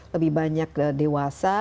lebih banyak dewasa